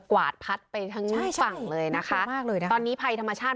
กวาดพัดไปทันฝั่งเลยนะคะตอนนี้ภายธรรมชาติ